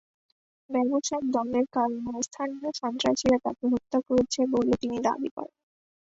ব্যবসায়িক দ্বন্দ্বের কারণে স্থানীয় সন্ত্রাসীরা তাঁকে হত্যা করেছে বলে তিনি দাবি করেন।